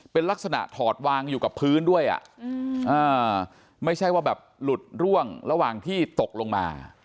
เป็นลักษณะถอดวางอยู่กับพื้นด้วยไม่ใช่ว่าแบบหลุดร่วงระหว่างที่ตกลงมา